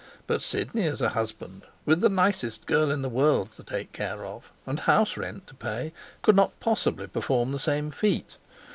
But Sidney as a husband, with the nicest girl in the world to take care of, and house rent to pay, could not possibly perform the same feat.